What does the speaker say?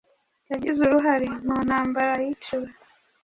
yagize uruhare mu ntambara yiciwe